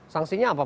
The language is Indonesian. sanksinya apa pak